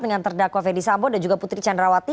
dengan terdakwa fedy sabo dan juga putri candrawati